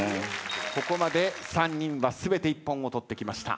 ここまで３人は全て一本を取ってきました。